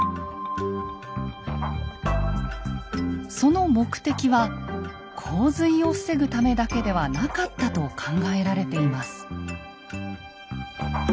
その目的は洪水を防ぐためだけではなかったと考えられています。